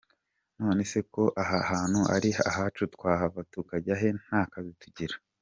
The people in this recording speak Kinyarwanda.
None se ko aha hantu ari ahacu twahava tukajya he nta kazi tugira ?".